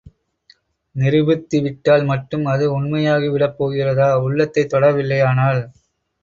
நிரூபித்து விட்டால் மட்டும் அது உண்மையாகி விடப் போகிறதா உள்ளத்தைத் தொட வில்லையானால்?